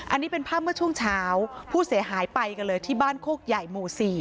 อันนี้เป็นภาพเมื่อช่วงเช้าผู้เสียหายไปกันเลยที่บ้านโคกใหญ่หมู่๔